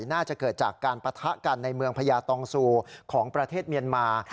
น่าจะเกิดจากการปะทะกันในเมืองพญาตองซูของประเทศเมียนมา